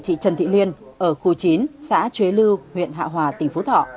chị trần thị liên ở khu chín xã chế lư huyện hạ hòa tỉnh phú thọ